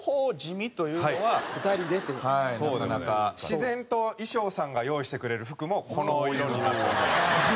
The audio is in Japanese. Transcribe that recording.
自然と衣装さんが用意してくれる服もこの色になっております